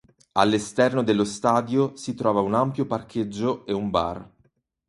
All'esterno dello stadio si trova un ampio parcheggio e un bar.